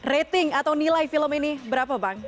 rating atau nilai film ini berapa bang